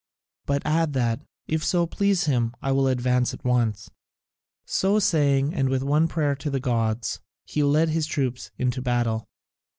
But add that, if it so please him, I will advance at once." So saying and with one prayer to the gods, he led his troops into battle.